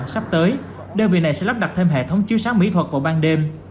sắp tới đều vì này sẽ lắp đặt thêm hệ thống chiếu sáng mỹ thuật vào ban đêm